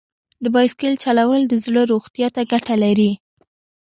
د بایسکل چلول د زړه روغتیا ته ګټه لري.